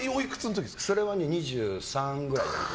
それは２３くらい。